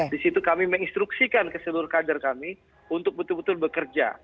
di situ kami menginstruksikan ke seluruh kader kami untuk betul betul bekerja